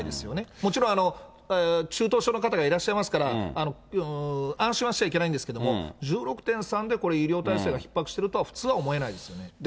もちろん中等症の方がいらっしゃいますから、安心はしてはいけないと思うんですが、１６．３で、これ、医療体制がひっ迫しているとは、普通は思えないですよね。